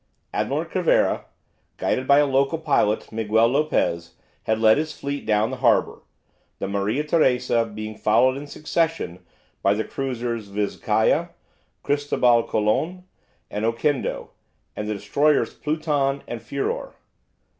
Admiral Cervera, guided by a local pilot, Miguel Lopez, had led his fleet down the harbour, the "Maria Teresa" being followed in succession by the cruisers "Vizcaya," "Cristobal Colon," and "Oquendo," and the destroyers "Pluton" and "Furor."